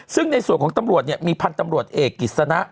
ซึ่งในส่วนของตำรวจเนี่ยมีพันธ์ตำรวจเอกกิจสนะ